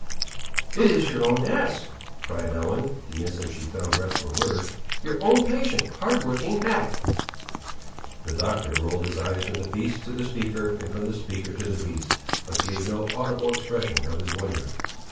"It is your own ass," cried Ellen, the instant she found breath for words; "your own patient, hard working, hack!" The Doctor rolled his eyes from the beast to the speaker, and from the speaker to the beast; but gave no audible expression of his wonder.